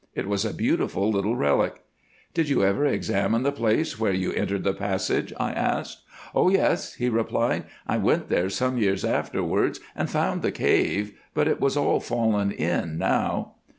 It was a beautiful little relic. "Did you ever examine the place where you entered the passage?" I asked. "Oh, yes," he replied, "I went there some years afterwards and found the cave, but it has all fallen in now."